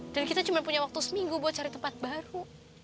dan kita cuma punya waktu seminggu buat cari tempat baru